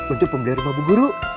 untuk pembeli rumah bu guru